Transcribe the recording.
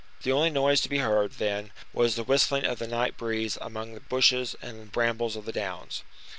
The only noise to be heard, then, was the whistling of the night breeze among the bushes and the brambles of the downs.